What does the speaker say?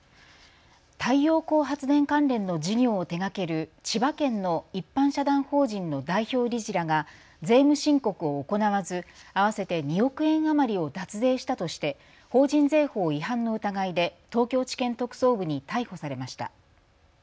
太陽光発電関連の事業を手がける千葉県の一般社団法人の代表理事らが税務申告を行わず合わせて２億円余りを脱税したとして法人税法違反の疑いで東京地検特捜部に逮捕されました。